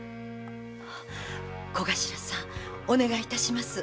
小頭さんお願いいたします。